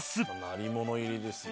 鳴り物入りですよ。